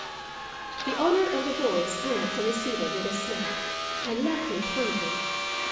The owner of the voice hung up the receiver with a snap, and left me pondering.